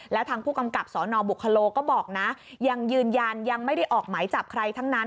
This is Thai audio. แล้วทางผู้กำกับสนบุคโลก็บอกนะยังยืนยันยังไม่ได้ออกหมายจับใครทั้งนั้น